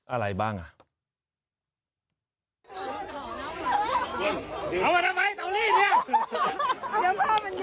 อะไรบ้างอ่ะ